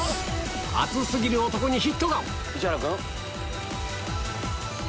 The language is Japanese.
熱過ぎる男にヒットが！